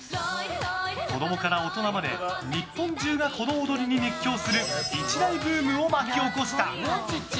子供から大人まで日本中がこの踊りに熱狂する一大ブームを巻き起こした！